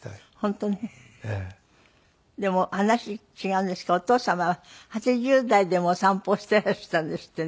でも話違うんですけどお父様は８０代でもお散歩をしてらしたんですってね。